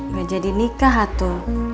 gak jadi nikah atuh